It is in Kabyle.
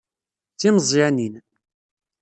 D timeẓyanin.